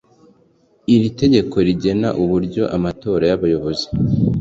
iri tegeko rigena uburyo amatora y abayobozi